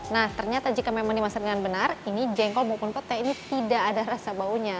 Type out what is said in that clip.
nah ternyata jika memang dimasak dengan benar ini jengkol maupun petai ini tidak ada rasa baunya